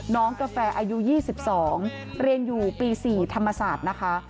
กาแฟอายุ๒๒เรียนอยู่ปี๔ธรรมศาสตร์นะคะ